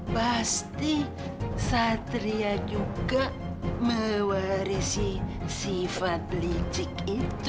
pasti satria juga mewarisi sifat licik itu